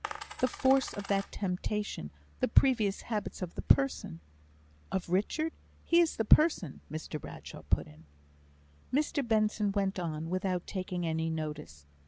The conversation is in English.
"The force of the temptation the previous habits of the person " "Of Richard. He is the person," Mr Bradshaw put in. Mr Benson went on, without taking any notice.